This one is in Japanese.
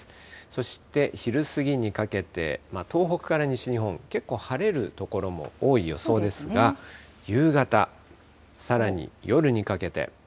そして昼過ぎにかけて、東北から西日本、結構晴れる所も多い予想ですが、夕方、さらに、夜にかけて。